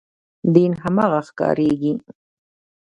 دین هماغه ښکارېږي.